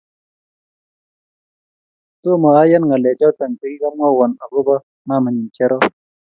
Tomo ayaan ngalek choto chegigimwawon agoba mamaneyi Cherop